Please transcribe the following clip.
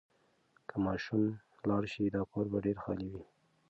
که ماشوم لاړ شي، دا کور به ډېر خالي وي.